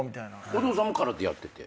お父さんも空手やってて？